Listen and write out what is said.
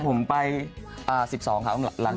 ผมไป๑๒ค่ะต้องหลัง